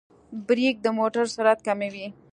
برېک د موټر سرعت کموي.